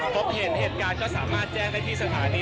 พบเห็นเหตุการณ์ก็สามารถแจ้งได้ที่สถานี